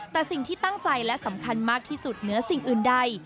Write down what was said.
แต่สิ่งที่ตั้งใจและสำคัญมากที่สุดเหนือสิ่งอื่นใด